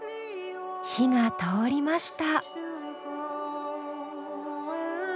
火が通りました。